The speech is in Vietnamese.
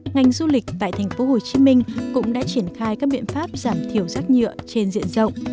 ngành du lịch tại tp hcm cũng đã triển khai các biện pháp giảm thiểu rác nhựa trên diện rộng